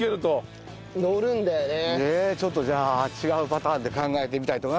ちょっとじゃあ違うパターンで考えてみたいと思います。